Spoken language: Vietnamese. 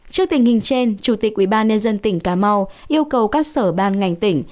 trước tình hình trên chủ tịch ubnd tỉnh cà mau yêu cầu các sở ban ngành tỉnh